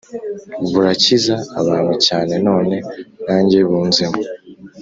Burakiza abantu cyane none nanjye bunzemo